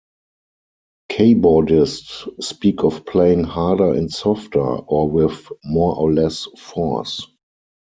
Keyboardists speak of playing harder and softer, or with more or less force.